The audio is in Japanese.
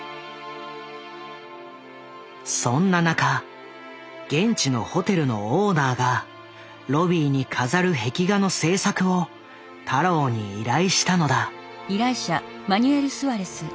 そんな中現地のホテルのオーナーがロビーに飾る壁画の制作を太郎に依頼したのだ。